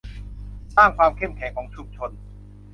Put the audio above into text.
สร้างความเข้มแข็งของชุมชน